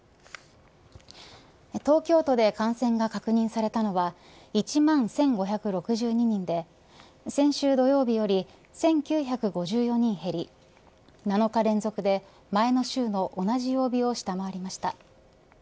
東京都で感染が確認されたのは１万１５６２人で先週土曜日より１９５４人減り７日連続で前の週の同じ曜日を下回りました。